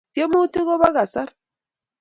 tyemutik ko Kobo kasar